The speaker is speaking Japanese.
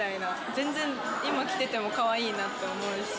全然今着ててもかわいいなって思う。